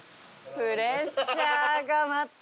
プレッシャーがまた。